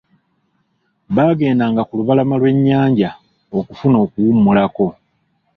Baagendanga ku lubalama lw'ennyanja okufuna okuwumulako.